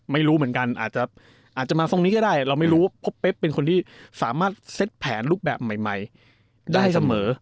ไม่รู้เหมือนกันอาจจะมาทรงนี้ก็ได้เราไม่รู้ว่าเพราะเป๊บเป็นคนที่สามารถเซ็ตแผนรูปแบบใหม่ได้เสมอ